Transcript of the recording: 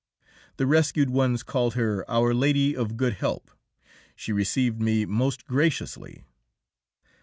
The rescued ones called her "Our Lady of Good Help." She received me most graciously.